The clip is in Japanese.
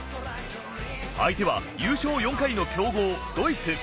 相手は優勝４回の強豪、ドイツ。